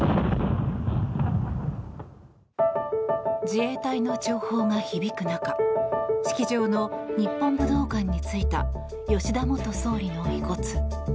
自衛隊の弔砲が響く中式場の日本武道館についた吉田元総理の遺骨。